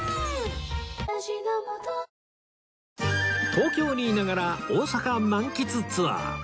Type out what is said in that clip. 東京にいながら大阪満喫ツアー